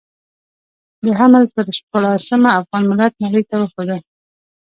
د حمل پر شپاړلسمه افغان ملت نړۍ ته وښوده.